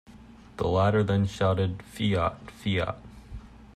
The latter then shouted, "Fiat", "fiat"!